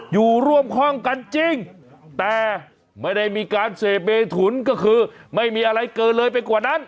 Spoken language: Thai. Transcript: อยู่ร่วมห้องกันจริงแต่ไม่ได้มีการเสพเมถุนก็คือไม่มีอะไรเกินเลยไปกว่านั้น